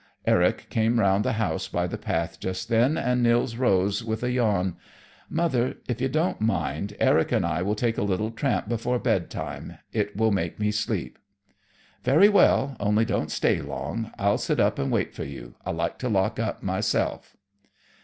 Eric came round the house by the path just then, and Nils rose, with a yawn. "Mother, if you don't mind, Eric and I will take a little tramp before bed time. It will make me sleep." "Very well; only don't stay long. I'll sit up and wait for you. I like to lock up myself."